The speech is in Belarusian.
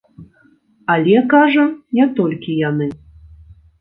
Але, кажа, не толькі яны.